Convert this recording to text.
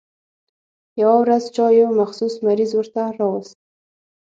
يوه ورځ چا يو مخصوص مریض ورته راوست.